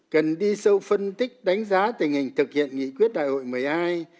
cần đi sâu phân tích đánh giá tình hình thực hiện nghị quyết đại hội một mươi hai